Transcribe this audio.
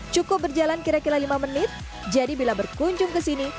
cukup berjalan kira kira lima menit jadi bila berkunjung ke sini